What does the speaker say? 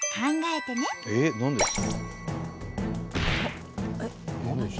えっ何ですか？